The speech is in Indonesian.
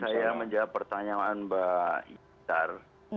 saya menjawab pertanyaan mbak itar